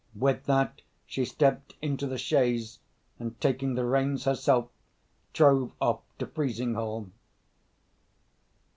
With that, she stepped into the chaise, and, taking the reins herself, drove off to Frizinghall.